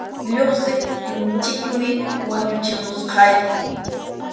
Lluqsiptinchikmi wañuchimusqayki.